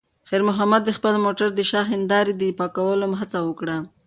خیر محمد د خپل موټر د شا د هیندارې د پاکولو هڅه وکړه.